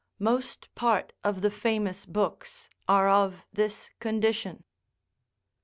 Most part of the famous books are of this condition.